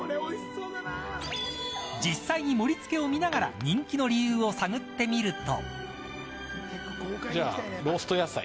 実際に盛りつけを見ながら人気の理由を探ってみると。